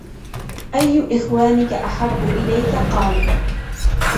أَيُّ إخْوَانِك أَحَبُّ إلَيْك ؟ قَالَ